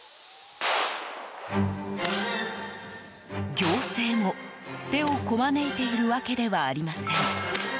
行政も、手をこまねいているわけではありません。